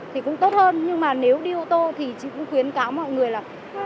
thì cũng tốt hơn nhưng mà nếu đi ô tô thì chị cũng khuyến cáo mọi người là